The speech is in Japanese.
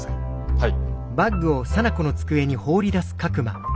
はい。